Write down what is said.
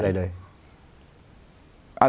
ไม่ได้พูดอะไรเลย